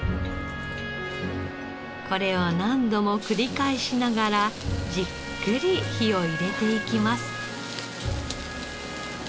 これを何度も繰り返しながらじっくり火を入れていきます。